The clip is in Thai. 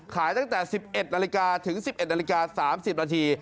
ตั้งแต่๑๑นาฬิกาถึง๑๑นาฬิกา๓๐นาที